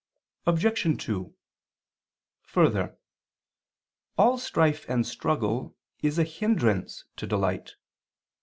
Obj. 2: Further, all strife and struggle is a hindrance to delight.